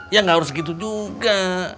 ya gak harus segitu juga